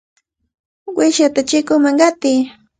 ¡Uyshata chikunman qatiy!